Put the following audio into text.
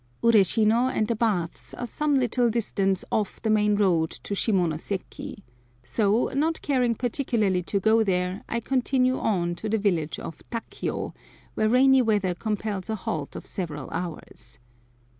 Ureshino and the baths are some little distance off the main road to Shimonoseki; so, not caring particularly to go there, I continue on to the village of Takio, where rainy weather compels a halt of several hours.